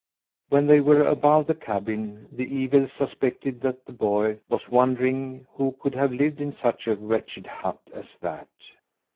When they were above the cabin the eagle suspected that the boy was wondering who could have lived in such a wretched hut as that.